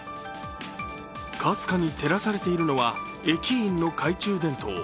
かすかに照らされているのは駅員の懐中電灯。